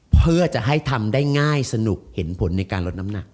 เพื่อจะให้ทำได้ง่ายสนุกเห็นผลในการลดน้ำหนัก